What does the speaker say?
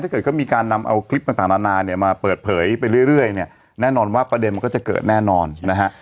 ถ้าเกิดก็มีการนำเอาคลิปต่างนานาเนี่ยมาเปิดเผยไปเรื่อยเนี่ยแน่นอนว่าประเด็นมันก็จะเกิดแน่นอนนะฮะ